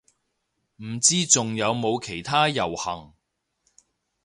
唔知仲有冇其他遊行